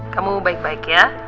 kamu baik baik ya